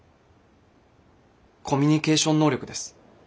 コミュニケーション能力です。